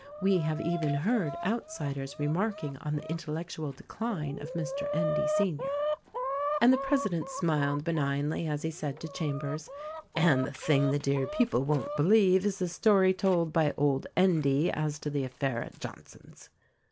We have even heard outsiders remarking on the intellectual decline of Mr. Endy, Sr." THE RECORDING ANGEL 139 And the president smiled benignly as he said to Cham bers, "And the thing the dear people won't believe is the story told by old Endy as to the affair at Johnson's."